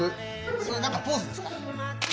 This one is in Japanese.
それ何かポーズですか？